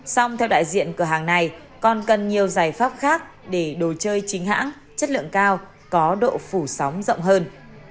song theo đại diện cửa hàng này còn cần nhiều giải pháp khác để đồ chơi chính hãng chất lượng cao có độ phủ sóng rộng hơn